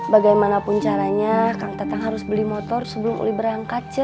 bagaimanapun caranya kang tetang harus beli motor sebelum uli berangkat